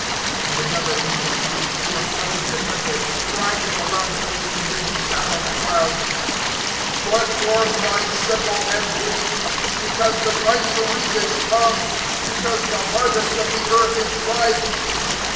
(15)And another angel came forth out of the temple, crying with a loud voice to him who sat on the cloud: Put forth thy sickle, and reap; because the time to reap is come; because the harvest of the earth is ripe.